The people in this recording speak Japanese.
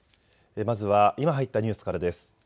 まずは今入ったニュースからです。